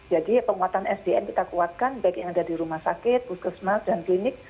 jadi penguatan sdn kita kuatkan baik yang ada di rumah sakit puskesmas dan klinik